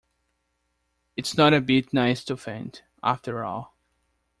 It’s not a bit nice to faint, after all.